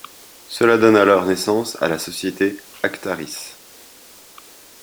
Cela donne alors naissance à la société Actaris.